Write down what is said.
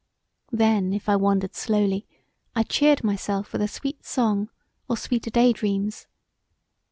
Then if I wandered slowly I cheered myself with a sweet song or sweeter day dreams.